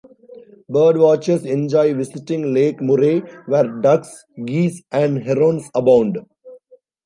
Birdwatchers enjoy visiting Lake Murray where ducks, geese, and herons abound.